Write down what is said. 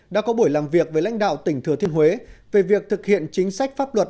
đã có buổi làm việc với lãnh đạo tỉnh thừa thiên huế về việc thực hiện chính sách pháp luật